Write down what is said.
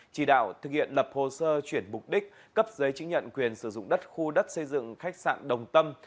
chỉ đạo thực hiện lập hồ sơ chuyển mục đích cấp giấy chứng nhận quyền sử dụng đất khu đất xây dựng khách sạn đồng tâm